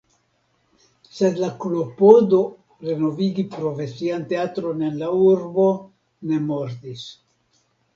Sed la klopodo renovigi profesian teatron en la urbo ne mortis.